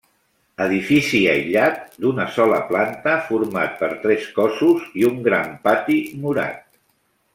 Edifici aïllat, d'una sola planta, format per tres cossos i un gran pati murat.